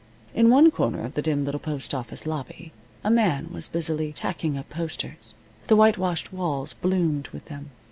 In one corner of the dim little postoffice lobby a man was busily tacking up posters. The whitewashed walls bloomed with them.